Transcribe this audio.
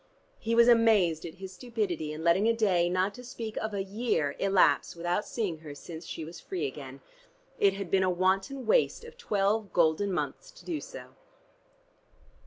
He was amazed at his stupidity in letting a day, not to speak of a year, elapse without seeing her since she was free again; it had been a wanton waste of twelve golden months to do so.